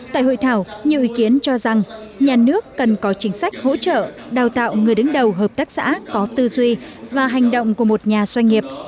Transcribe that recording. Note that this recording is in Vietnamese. tại hội thảo nhiều ý kiến cho rằng nhà nước cần có chính sách hỗ trợ đào tạo người đứng đầu hợp tác xã có tư duy và hành động của một nhà doanh nghiệp